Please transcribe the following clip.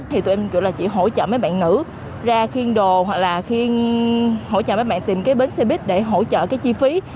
thì tụi em gọi là chỉ hỗ trợ mấy bạn nữ ra khiên đồ hoặc là khiên hỗ trợ mấy bạn tìm cái bến xe buýt để hỗ trợ cái chi phí